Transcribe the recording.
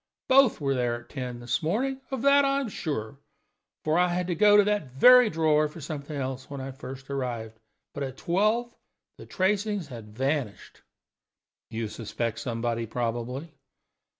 Both were there at ten this morning; of that I am sure, for I had to go to that very drawer for something else when I first arrived. But at twelve the tracings had vanished." "You suspect somebody, probably?"